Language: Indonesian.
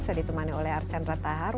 saya ditemani oleh archandra tahar